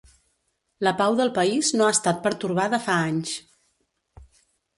La pau del país no ha estat pertorbada fa anys.